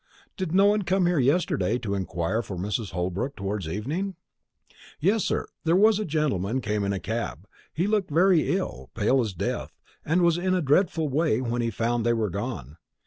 "Did no one come here yesterday to inquire for Mrs. Holbrook towards evening?" "Yes, sir; there was a gentleman came in a cab. He looked very ill, as pale as death, and was in a dreadful way when he found they were gone.